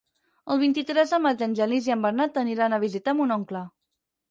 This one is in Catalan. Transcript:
El vint-i-tres de maig en Genís i en Bernat aniran a visitar mon oncle.